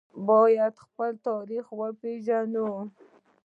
باید خپل تاریخ وپیژنو